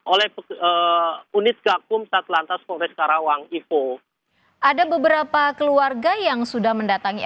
oleh unit gakum satlantas polres karawang ipo ada beberapa keluarga yang sudah mendatangi